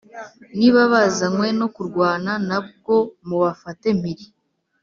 niba bazanywe no kurwana na bwo mubafate mpiri